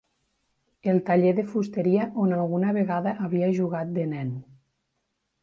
El taller de fusteria on alguna vegada havia jugat de nen.